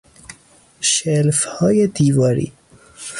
شلفهای دیواری